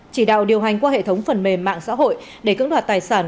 chỉ đạo điều hành qua hệ thống phần mềm mạng xã hội để cưỡng đoạt tài sản